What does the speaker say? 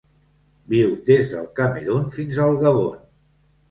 Viu des del Camerun fins al Gabon.